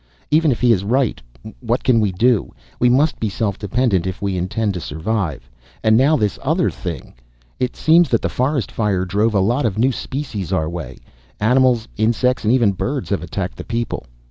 Even if he is right what can we do? We must be self dependent if we intend to survive. And now this other thing. It seems that the forest fire drove a lot of new species our way. Animals, insects and even birds have attacked the people.